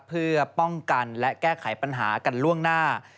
เพื่อป้องกันและแก้ไขปัญหากันล่วงหน้า